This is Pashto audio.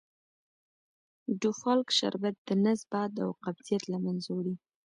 ډوفالک شربت دنس باد او قبضیت له منځه وړي .